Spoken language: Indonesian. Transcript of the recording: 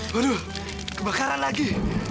waduh kebakaran lagi